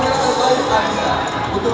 wanita sebagian belakang kita